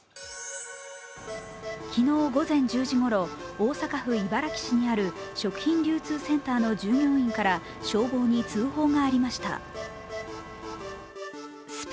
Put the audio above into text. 昨日午前１０時ごろ、大阪府茨木市にある食品流通センターの従業員から消防に通報がありました。